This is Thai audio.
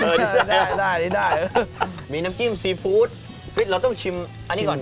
เฮ้อโอ้โหโอ้ยนี่ได้นี่ได้มีน้ำจิ้มซีพูดพี่เราต้องชิมอันนี้ก่อน